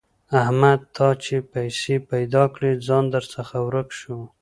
احمده! تا چې پيسې پیدا کړې؛ ځان درڅخه ورک شو.